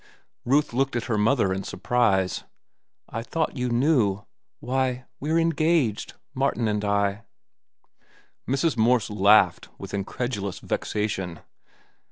Ruth looked at her mother in surprise. "I thought you knew. Why, we're engaged, Martin and I." Mrs. Morse laughed with incredulous vexation.